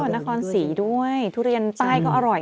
นครศรีด้วยทุเรียนใต้ก็อร่อย